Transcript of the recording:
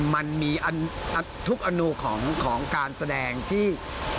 มันมีทุกอนูของการแสดงที่